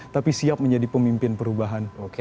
tapi siap menjadi pemimpin perubahan